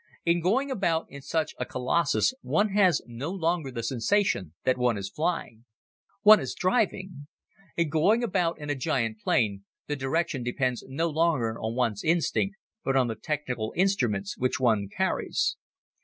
In going about in such a colossus one has no longer the sensation that one is flying. One is driving. In going about in a giant plane the direction depends no longer on one's instinct but on the technical instruments which one carries.